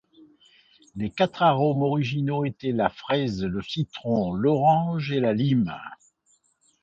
Les quatre arômes originaux étaient la fraise, le citron, l'orange, et la lime.